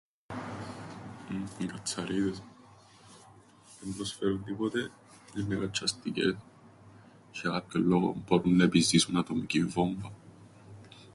Οι κατσαρίδες. Εν προσφέρουν τίποτε, εν' νεκατσ̆ιαστικές τζ̆αι για κάποιον λόγον μπορούν να επιζήσουν ατομικήν βόμβαν.